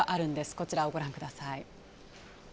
こちらをご覧ください。